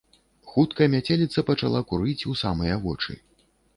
Хутка мяцеліца пачала курыць у самыя вочы.